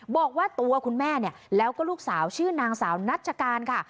บอกว่าตัวคุณแม่เนี่ยแล้วก็ลูกสาวชื่อนางสาวนัชการค่ะ